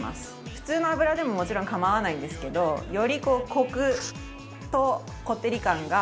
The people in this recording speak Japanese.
普通の油でももちろん構わないんですけどよりこうコクとこってり感が足されるので。